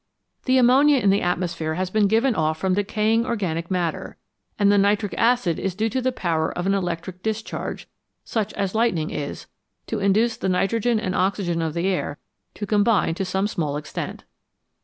The ammonia in the atmosphere has been given off from decaying organic matter, and the nitric acid is due to the power of an electric discharge, such as light ning is, to induce the nitrogen and oxygen of the air to combine to some small extent.